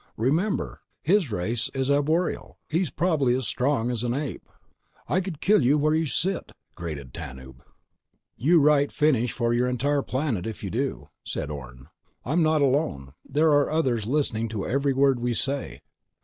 Remember, his race is arboreal. He's probably as strong as an ape."_ "I could kill you where you sit!" grated Tanub. "You write finish for your entire planet if you do," said Orne. "I'm not alone. There are others listening to every word we say.